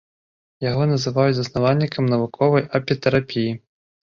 Яго называюць заснавальнікам навуковай апітэрапіі.